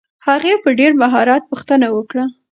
هغې په ډېر مهارت پوښتنه وکړه.